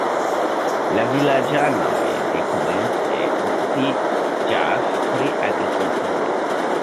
La vilaĝanoj dekomence okupiĝas pri agrikulturo.